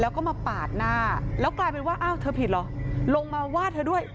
แล้วก็มาปาดหน้าแล้วกลายเป็นว่าอ้าวเธอผิดเหรอลงมาว่าเธอด้วย